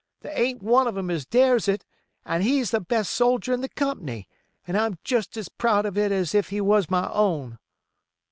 There ain't one of 'em as dares it, and he's the best soldier in the comp'ny, an' I'm jest as proud of it as if he was my own."